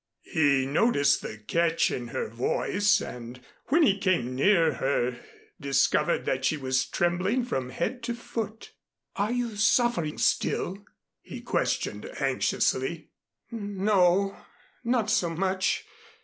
He noticed the catch in her voice, and when he came near her discovered that she was trembling from head to foot. "Are you suffering still?" he questioned anxiously. "N no, not so much.